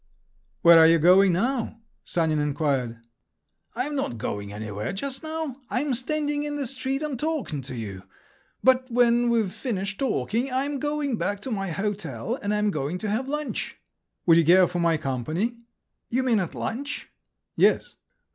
"Where are you going now?" Sanin inquired. "I'm not going anywhere just now; I'm standing in the street and talking to you; but when we've finished talking, I'm going back to my hotel, and am going to have lunch." "Would you care for my company?" "You mean at lunch?" "Yes."